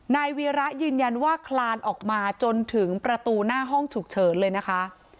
นายวีระยืนยันว่าคลานออกมาจนถึงประตูหน้าห้องฉุกเฉินเลยนะคะ